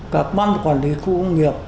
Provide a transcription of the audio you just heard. các ban quản lý khu công nghiệp